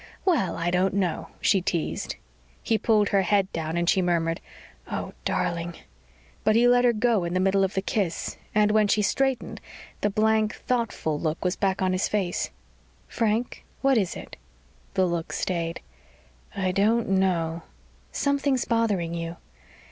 "Well, I don't know," she teased. He pulled her head down and she murmured, "Oh, darling...." But he let go of her in the middle of the kiss and, when she straightened, the blank, thoughtful look was back on his face. "Frank what is it?" The look stayed. "I don't know." "Something's bothering you."